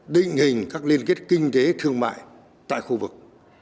định hình các liên kết kinh tế thương mại tại khu vực